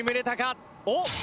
おっ？